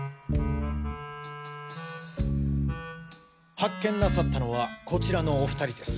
発見なさったのはこちらのお２人です。